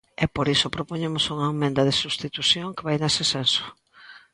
E por iso propoñemos unha emenda de substitución que vai nese senso.